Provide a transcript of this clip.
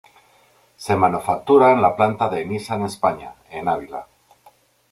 Se manufactura en la planta de Nissan España en Ávila.